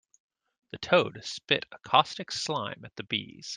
The toad spit a caustic slime at the bees.